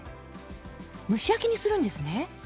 蒸し焼きにするんですね。